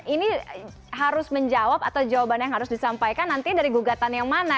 ini harus menjawab atau jawaban yang harus disampaikan nanti dari gugatan yang mana